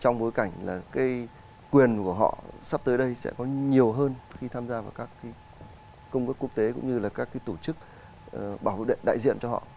trong bối cảnh là cái quyền của họ sắp tới đây sẽ có nhiều hơn khi tham gia vào các công quốc quốc tế cũng như là các tổ chức bảo vệ đại diện cho họ